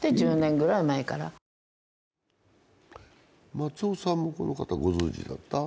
松尾さんもこの方、ご存じだった？